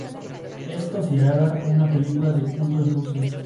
Es considerada una película de culto en Rusia.